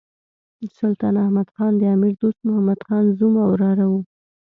سلطان احمد خان د امیر دوست محمد خان زوم او وراره وو.